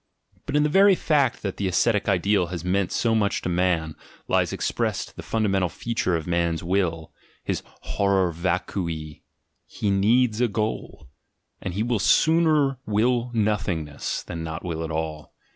but in the very fact that the ascetic ideal has meant so 94 ASCETIC IDEALS 95 much to man, lies expressed the fundamental feature of man's will, his horror vacui: he needs a goal — and he will sooner will nothingness than not will at all.